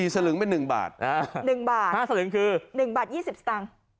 สี่สลึงเป็นหนึ่งบาทอ่าหนึ่งบาทห้าสลึงคือหนึ่งบาทยี่สิบสตางค์